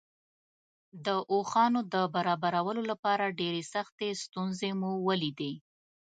د اوښانو د برابرولو لپاره ډېرې سختې ستونزې مو ولیدې.